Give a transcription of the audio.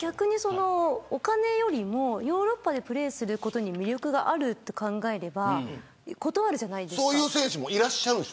お金よりもヨーロッパでプレーすることに魅力があると考えればそういう選手もいるんでしょ。